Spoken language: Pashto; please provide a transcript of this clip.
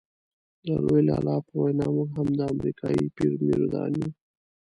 د لوی لالا په وینا موږ هم د امریکایي پیر مریدان یو.